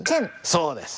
そうです！